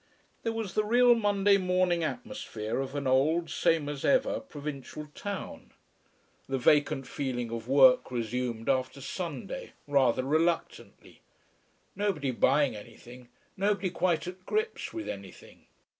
There was the real Monday morning atmosphere of an old, same as ever provincial town: the vacant feeling of work resumed after Sunday, rather reluctantly; nobody buying anything, nobody quite at grips with anything.